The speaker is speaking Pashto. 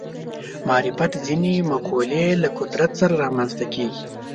معرفت ځینې مقولې له قدرت سره رامنځته کېږي